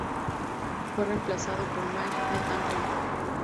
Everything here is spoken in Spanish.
Fue reemplazado por Mike D'Antoni.